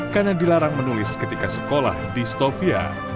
karena dilarang menulis ketika sekolah di stofia